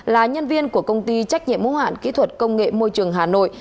là nhân viên của công ty trách nhiệm mô hạn kỹ thuật công nghệ môi trường hà nội